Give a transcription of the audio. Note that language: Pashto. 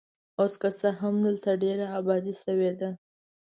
اوس که څه هم دلته ډېره ابادي شوې ده.